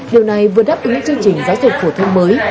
điều này vừa đáp ứng chương trình giáo dục phổ thông mới